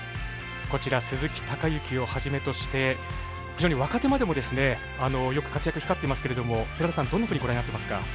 鈴木孝幸をはじめとして非常に若手までもよく活躍、光っていますけれども寺田さん、どんなふうにご覧になってますか？